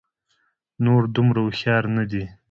نور دومره هوښيار نه دي